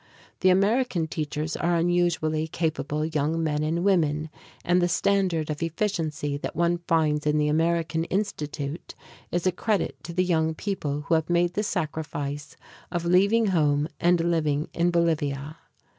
The American teachers are unusually capable young men and women, and the standard of efficiency that one finds in the American Institute is a credit to the young people who have made the sacrifice of leaving home and living in Bolivia.